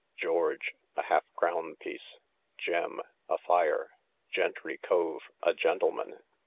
George, a half crown piece. Gem, a fire. Gentry cove, a gentleman.